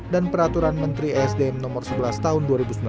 dan peraturan menteri sdm no sebelas tahun dua ribu sembilan belas